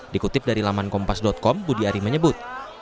dikutip dari laman kompas com budi ari menyebut